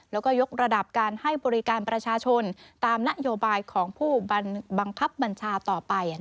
แล้วก็ยกระดับการให้บริการประชาชนตามนโยบายของผู้บังคับบัญชาต่อไป